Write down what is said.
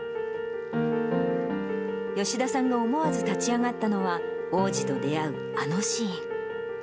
吉田さんが思わず立ち上がったのは、王子と出会うあのシーン。